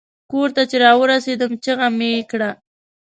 کور ته چې را ورسیدم چیغه مې کړه.